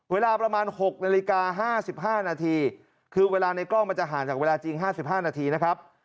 เวลาประมาณ๖นาฬิกา๕๕นาทีคือเวลาในกล้องมันจะห่างจากเวลาจริง๕๕นาทีนะครับ